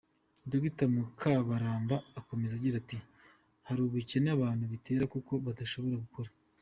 Dr Mukabaramba akomeza agira ati ”Hari ubukene abantu bitera kuko badashobora gukora.